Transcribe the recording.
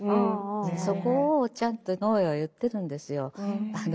そこをちゃんと野枝は言ってるんですよ。